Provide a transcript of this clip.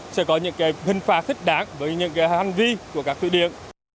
sẽ có những hình phạt thích đáng với những hành vi của các thủy điện